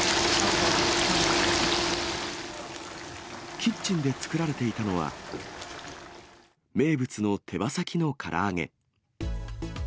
キッチンで作られていたのは、名物の手羽先のから揚げ。